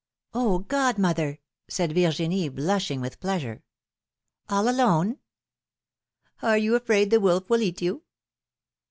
Oh, godmother !" said Virginie, blushing with plea sure. ^'All alone ?" ^^Are you afraid the wolf will eat you?"